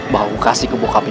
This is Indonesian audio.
bahwa gue kasih ke bokap dia